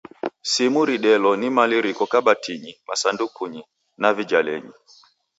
Simu ridelo ni mali riko kabatinyi, masandukunyi, na vijalenyi.